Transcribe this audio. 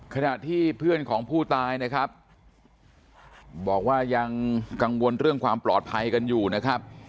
ขณะที่เพื่อนของผู้ตายนะครับบอกว่ายังกังวลเรื่องความปลอดภัยกันอยู่นะครับ